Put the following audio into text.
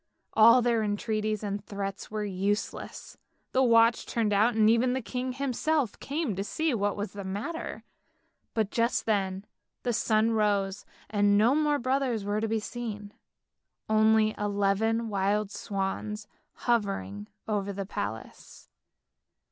All their entreaties and threats were useless, the watch turned out and even the king himself came to see what was the matter; but just then the sun rose, and no more brothers were to be seen, only eleven wild swans hovering over the palace.